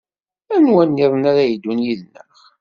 Anwa niḍen ara yeddun yid-neɣ?